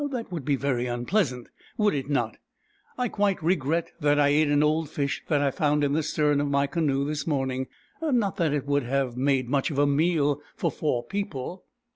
" That would be very unpleasant, would it not ? I quite regret that I ate an old fish that I found in the stern of my canoe this morning. Not that it would have made much of a meal for four people."